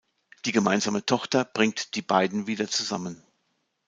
Die gemeinsame Tochter bringt die beiden wieder zusammen.